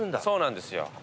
そうなんですよ。